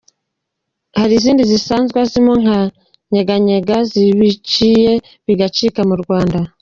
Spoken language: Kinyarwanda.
Hari izindi zisanzwe azwimo nka “Nyeganyega” zabiciye bigacika mu Rwanda.